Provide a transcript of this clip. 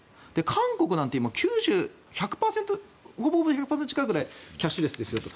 韓国なんて今、ほぼ１００％近いぐらいキャッシュレスですよと。